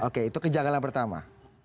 oke itu kejagalan pertama